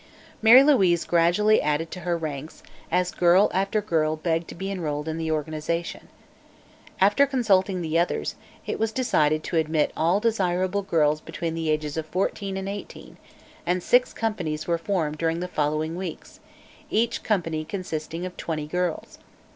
Mary Louise gradually added to her ranks, as girl after girl begged to be enrolled in the organization. After consulting the others, it was decided to admit all desirable girls between the ages of 14 and 18, and six companies were formed during the following weeks, each company consisting of twenty girls.